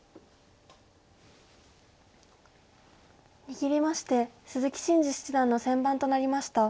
握りまして鈴木伸二七段の先番となりました。